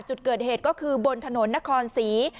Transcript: จุดเกิดเหตุก็คือบนถนนนครศรี